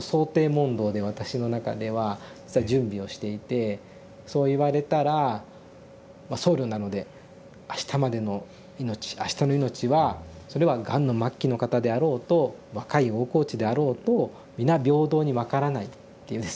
問答で私の中では準備をしていてそう言われたら僧侶なので「あしたまでの命あしたの命はそれはがんの末期の方であろうと若い大河内であろうと皆平等に分からない」っていうですね